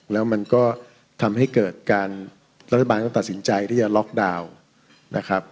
แล้วมันก็ทำให้เกิดการรัฐบาลก็ตัดสินใจที่จะล็อกดาวน์นะครับ